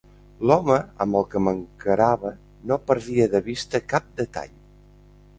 L'home amb el que m'encarava no perdia de vista cap detall.